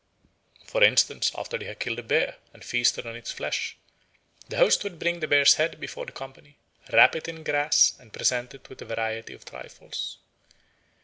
For instance, after they had killed a bear and feasted on its flesh, the host would bring the bear's head before the company, wrap it in grass, and present it with a variety of trifles.